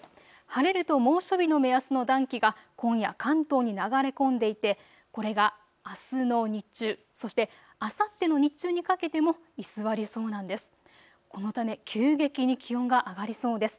晴れると猛暑日の目安の暖気が今夜、関東に流れ込んでいてこれがあすの日中、そしてあさっての日中にかけても居座りそうなんです。